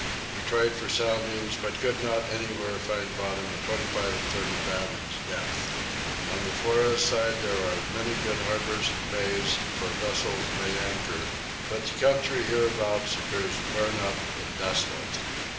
We tried for soundings but could not anywhere find bottom at 25 and 30 fathoms depth. On the Flores side there are many good harbours and bays where vessels may anchor; but the country hereabouts appears burnt up and desolate.